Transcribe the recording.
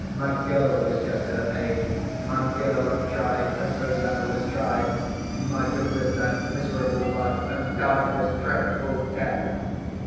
My girl was just her age. My girl, tried as Rosanna was tried, might have lived that miserable life, and died this dreadful death.